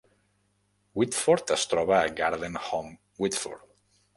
Whitford es troba a Garden Home-Whitford.